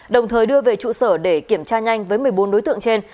đồng thời đưa về trụ sở để kiểm tra nhanh với một mươi bốn đối tượng trên